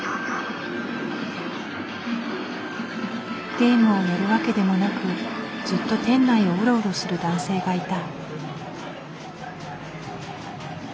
ゲームをやる訳でもなくずっと店内をうろうろする男性がいた。